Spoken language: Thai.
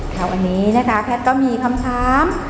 ตอนนี้นะคะคลาตก็มีคำถาม